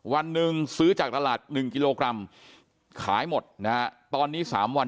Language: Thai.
วันหนึ่งซื้อจากตลาด๑กิโลกรัมขายหมดนะฮะตอนนี้๓วัน